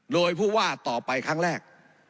โดยผู้ว่าต่อไปครั้งแรก